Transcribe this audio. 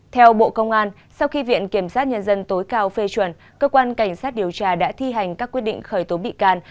theo bộ công an sau khi viện kiểm sát nhân dân tối cao phê chuẩn cơ quan cảnh sát điều tra đã thi hành các quyết định khởi tố bị can